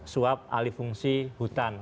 suap alifungsi hutan